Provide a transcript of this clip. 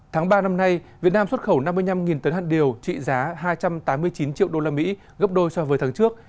tháng ba năm nay việt nam xuất khẩu năm mươi năm tấn hạt điều trị giá hai trăm tám mươi chín triệu usd gấp đôi so với tháng trước